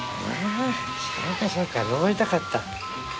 そっかそっか、登りたかった。